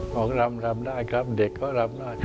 บอกรำรำได้ครับเด็กเขารำได้